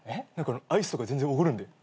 アイスとか全然おごるんで。